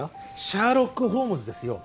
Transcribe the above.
シャーロック・ホームズですよ。